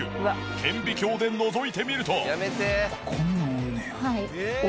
顕微鏡でのぞいてみると。